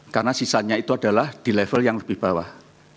karena sisanya itu adalah di level yang lebih bawah